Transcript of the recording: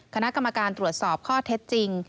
คณะกรรมการตรวจสอบข้อเท็จจริง